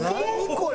これ！